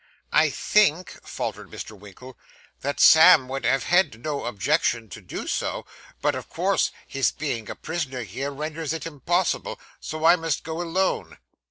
'I think,' faltered Mr. Winkle, 'that Sam would have had no objection to do so; but, of course, his being a prisoner here, renders it impossible. So I must go alone.